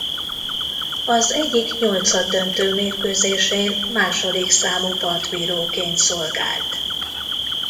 Az egyik nyolcaddöntő mérkőzésén második számú partbíróként szolgált.